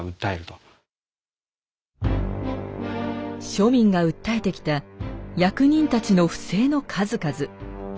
庶民が訴えてきた役人たちの不正の数々。